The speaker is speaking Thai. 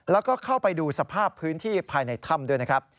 แล้วก็เข้าไปดูสภาพพื้นที่ภายในถ้ำด้วยนะครับ